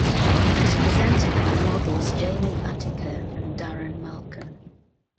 It was presented by models Jamie Atiko and Darren Malcolm.